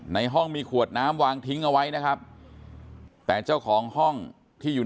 ในห้องมีขวดน้ำวางทิ้งเอาไว้นะครับแต่เจ้าของห้องที่อยู่